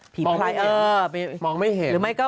ผีพลายเออมองไม่เห็นมองไม่เห็น